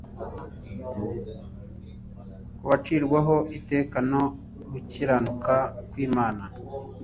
ku baciriweho iteka no gukiranuka kw'Imana